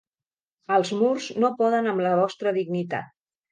Els murs no poden amb la vostra dignitat.